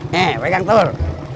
he baik yang tur